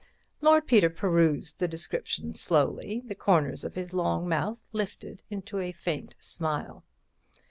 Lord Peter perused the description slowly, the corners of his long mouth lifted into a faint smile.